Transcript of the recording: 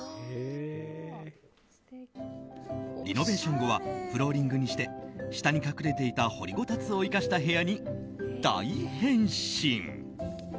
リノベーション後はフローリングにして下に隠れていた掘りごたつを生かした部屋に大変身。